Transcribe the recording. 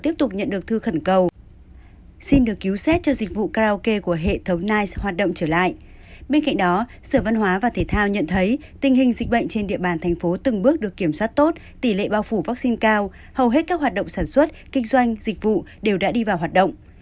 bên cạnh đó sở văn hóa và thể thao nhận thấy tình hình dịch bệnh trên địa bàn thành phố từng bước được kiểm soát tốt tỷ lệ bao phủ vaccine cao hầu hết các hoạt động sản xuất kinh doanh dịch vụ đều đã đi vào hoạt động